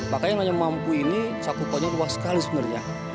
makanya yang mampu ini saya kukuhnya luas sekali sebenarnya